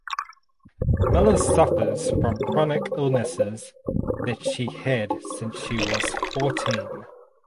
Miller suffers from chronic illnesses that she had since she was fourteen.